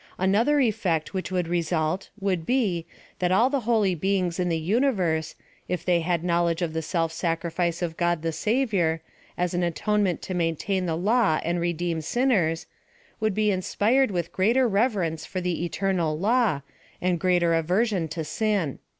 Another effect which would result would be, that all the holy beings in the uni^'ersa 202 PfllLOSOPHV OP THE if they had knowledge of the self sacrifice of God the Savior, as an atonement to maintain the law and redeem sinners, would be inspired with greater rev erence for the eternal law, and greater aversion to sin.